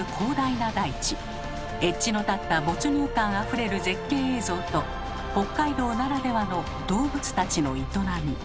エッジの立った没入感あふれる絶景映像と北海道ならではの動物たちの営み。